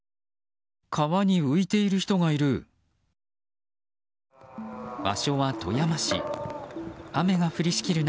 川に浮いている人がいる。